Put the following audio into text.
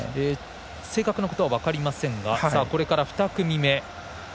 正確なことは分かりませんがこれから２組目。